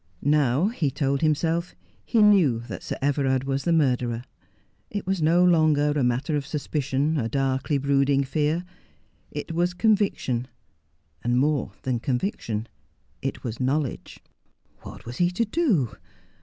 Now, he told himself, he knew that Sir Everard was the murderer. It was no longer a matter of suspicion — a darkly brooding fear. It was conviction, and more than conviction. It was knowledge. What was he to do